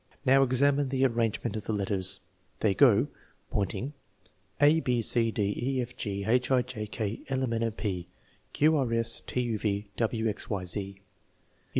Now, examine the arrangement of the letters. They go (point ing) a b c, d e f, g h i, j k I, m n o, p q r, s t u v, w x y z.